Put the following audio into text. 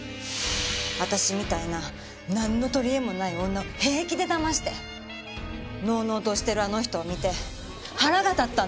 私みたいななんの取り柄もない女を平気で騙してのうのうとしてるあの人を見て腹が立ったんです。